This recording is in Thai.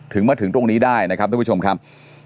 มาถึงตรงนี้ได้นะครับทุกผู้ชมครับ